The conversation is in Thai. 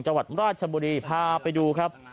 จังหวัดราชบุรีพาไปดูครับ